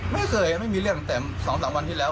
ไม่เคยไม่มีเรื่องแต่สองสามวันที่แล้ว